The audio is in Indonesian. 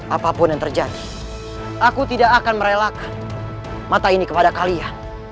apapun yang terjadi aku tidak akan merelak mata ini kepada kalian